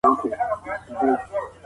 جهاني ژر به په سفر وزې له تللیو سره